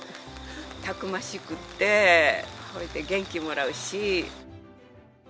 たくましくって、それで元気もらうし。